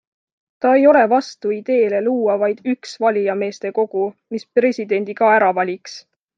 Ta ei ole vastu ideele luua vaid üks valijameeste kogu, mis presidendi ka ära valiks.